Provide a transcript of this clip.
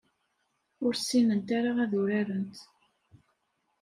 Ur ssinent ara ad urarent.